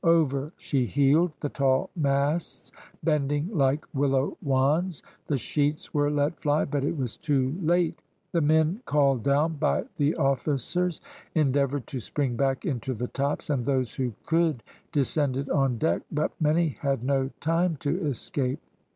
Over she heeled the tall masts bending like willow wands. The sheets were let fly, but it was too late. The men called down by the officers endeavoured to spring back into the tops, and those who could descended on deck, but many had no time to escape.